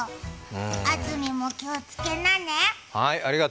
あずみも、気をつけなね。